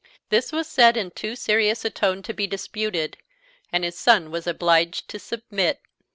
This was said in too serious a tone to be disputed, and his son was obliged to submit.